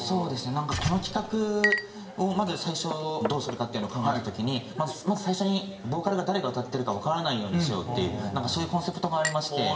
なんかこの企画をまず最初どうするかっていうのを考えた時にまず最初にボーカルが誰が歌ってるかわからないようにしようっていうそういうコンセプトがありまして。